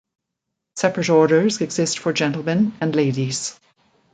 Separate orders exist for gentlemen and ladies.